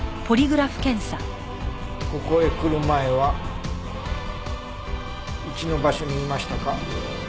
ここへ来る前は１の場所にいましたか？